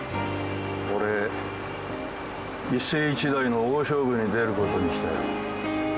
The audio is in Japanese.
俺一世一代の大勝負に出ることにしたよ。